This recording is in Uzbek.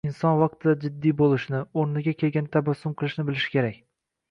Inson vaqtida jiddiy bo‘lishni, o‘rni kelganida tabassum qilishni bilishi kerak.